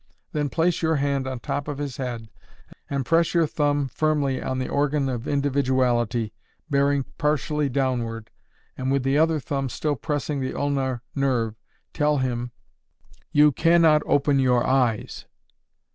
Then place your hand on the top of his head and press your thumb firmly on the organ of Individuality, bearing partially downward, and with the other thumb still pressing the ulnar nerve, tell him _you can not open your eyes!